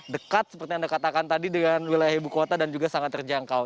dekat seperti anda katakan tadi dengan wilayah ibu kota dan juga sangat terjangkau